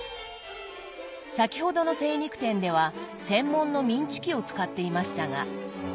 先ほどの精肉店では専門のミンチ機を使っていましたが。